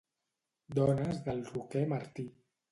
Dunes del Roquer Martí